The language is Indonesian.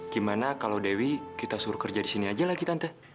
gimana kalau dewi kita suruh kerja di sini aja lah kita